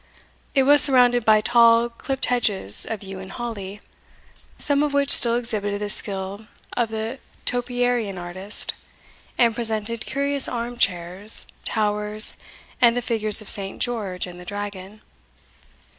It was surrounded by tall clipped hedges of yew and holly, some of which still exhibited the skill of the topiarian artist,* and presented curious arm chairs, towers, and the figures of Saint George and the Dragon.